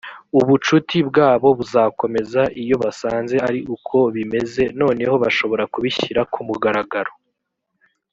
ubucuti bwabo buzakomeza iyo basanze ari uko bimeze noneho bashobora kubishyira ku mugaragaro